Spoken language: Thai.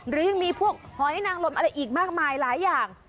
หรือยังมีพวกหอยนางลมอะไรอีกมากมายหลายอย่าง